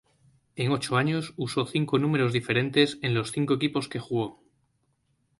En ocho años usó cinco números diferentes en los cinco equipos que jugó.